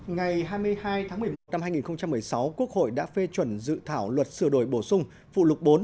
ngày hai mươi hai tháng một mươi một năm hai nghìn một mươi sáu quốc hội đã phê chuẩn dự thảo luật sửa đổi bổ sung phụ lục bốn